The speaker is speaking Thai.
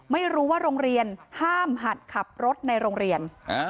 ไม่รู้ว่าโรงเรียนห้ามหัดขับรถในโรงเรียน